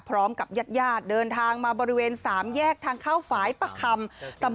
พร้อมกับญาติญาติเดินทางมาบริเวณ๓แยกทางเข้าฝ่ายประคำ